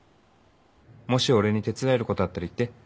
もし俺に手伝えることあったら言って。